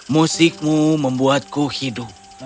musikmu membuatku hidup